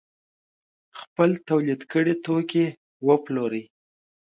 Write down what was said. خپل تولید کړي توکي وپلوري.